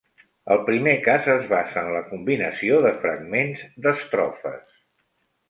El primer cas es basa en la combinació de fragments d'estrofes.